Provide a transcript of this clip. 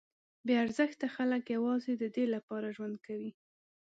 بې ارزښته خلک یوازې ددې لپاره ژوند کوي.